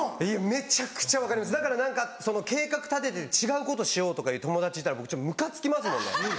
めちゃくちゃ分かりますだから何か計画立てて「違うことしよう」とか言う友達いたら僕ちょっとムカつきますもんね。